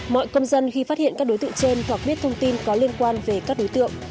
mọi công dân khi phát hiện các đối tượng trên hoặc biết thông tin có liên quan về các đối tượng